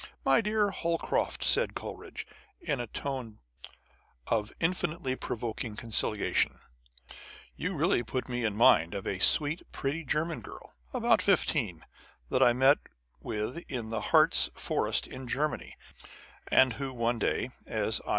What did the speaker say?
u My dear Mr. Holcroft," said Coleridge, in a tone of infinitely provoking conciliation, " you really put me in mind of a sweet pretty German girl, about fifteen, that I met with in the Hartz forest in Germany â€" and who one day, as I 48 On the Conversation oj Authors.